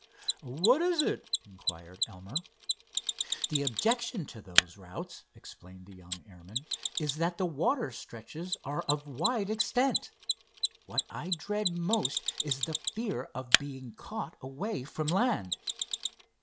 "What is it?" inquired Elmer. "The objection to those routes," explained the young airman, "is that the water stretches are of wide extent. What I dread most is the fear of being caught away from land."